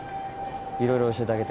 いろいろ教えてあげて。